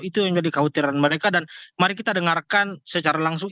itu yang jadi kekhawatiran mereka dan mari kita dengarkan secara langsung